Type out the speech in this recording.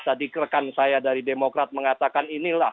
tadi rekan saya dari demokrat mengatakan inilah